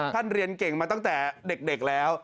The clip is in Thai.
เรียนเก่งมาตั้งแต่เด็กแล้ว